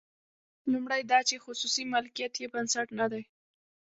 لومړی دا چې خصوصي مالکیت یې بنسټ نه دی.